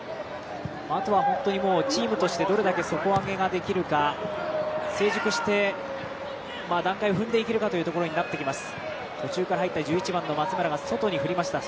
あとは本当にチームとして底上げができるか成熟して、段階を踏んでいけるかというところになっていきます。